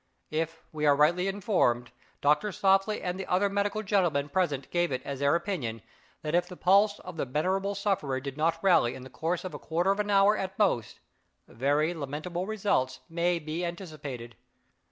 If we are rightly informed, Doctor Softly and the other medical gentlemen present gave it as their opinion that if the pulse of the venerable sufferer did not rally in the course of a quarter of an hour at most, very lamentable results might be anticipated.